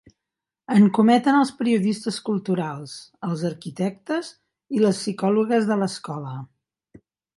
En cometen els periodistes culturals, els arquitectes i les psicòlogues de l'escola.